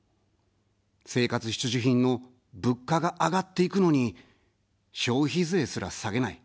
生活必需品の物価が上がっていくのに消費税すら下げない。